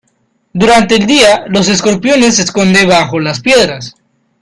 Durante el día los escorpiones se esconden bajo las piedras.